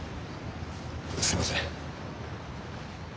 すいません。